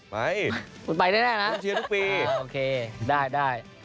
ไปคุณชีย์ทุกปี